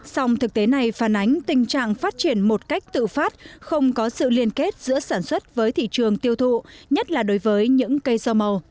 song thực tế này phản ánh tình trạng phát triển một cách tự phát không có sự liên kết giữa sản xuất với thị trường tiêu thụ nhất là đối với những cây rau màu